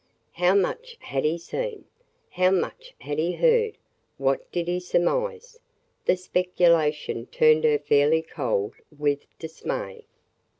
How much had he seen? How much had he heard? What did he surmise? The speculation turned her fairly cold with dismay.